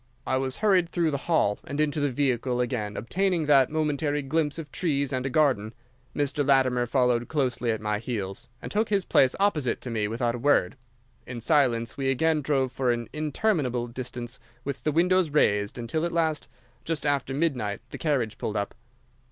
"I was hurried through the hall and into the vehicle, again obtaining that momentary glimpse of trees and a garden. Mr. Latimer followed closely at my heels, and took his place opposite to me without a word. In silence we again drove for an interminable distance with the windows raised, until at last, just after midnight, the carriage pulled up.